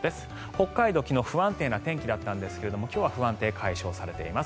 北海道は昨日不安定な天気だったんですが今日は不安定解消されています。